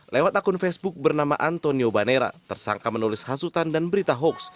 lewat akun facebook bernama antonio banera tersangka menulis hasutan dan berita hoax